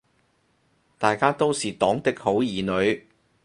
大家都是黨的好兒女